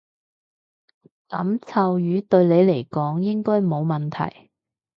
噉臭魚對你嚟講應該冇問題